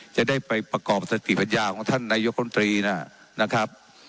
จะได้ไปประกอบสติปัญญาของท่านนายกรมตรีนะครับ